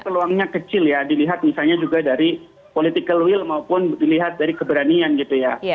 peluangnya kecil ya dilihat misalnya juga dari political will maupun dilihat dari keberanian gitu ya